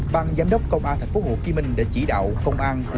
ban giám đốc công an thạch phố hồ kỳ minh đã chỉ đạo công an